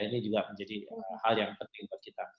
ini juga menjadi hal yang penting buat kita